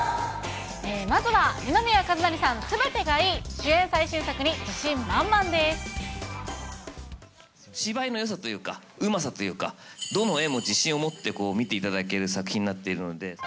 まずは二宮和也さん、すべてがい芝居のよさというか、うまさというか、どの絵も自信を持って見ていただける作品になっているので。